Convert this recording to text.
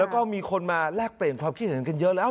แล้วก็มีคนมาแลกเปลี่ยนความคิดเห็นกันเยอะแล้ว